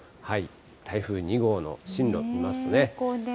台風２号の進路を見ますとね。